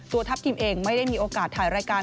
ทัพทิมเองไม่ได้มีโอกาสถ่ายรายการ